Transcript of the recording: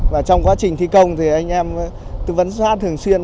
và trong quá trình thi công thì anh em tư vấn xuất thường xuyên